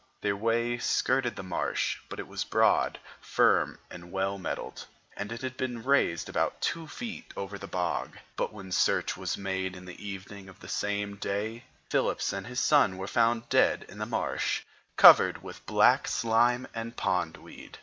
Their way skirted the marsh, but it was broad, firm and well metalled, and it had been raised about two feet above the bog. But when search was made in the evening of the same day Phillips and his son were found dead in the marsh, covered with black slime and pondweed.